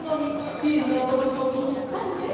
ビールのお供にもぴったりです。